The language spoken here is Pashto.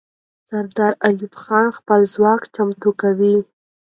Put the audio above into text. سردار ایوب خان خپل ځواک چمتو کاوه.